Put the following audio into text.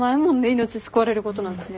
命救われることなんてね。